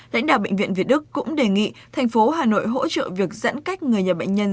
lãnh đạo bệnh viện việt đức cũng đề nghị tp hà nội hỗ trợ việc dẫn cách người nhà bệnh nhân